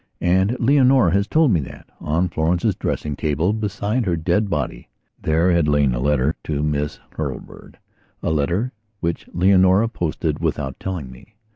And Leonora has told me that, on Florence's dressing table, beside her dead body, there had lain a letter to Miss Hurlbirda letter which Leonora posted without telling me.